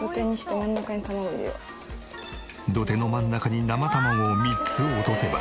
土手の真ん中に生卵を３つ落とせば。